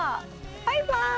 バイバーイ！